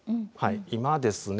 今ですね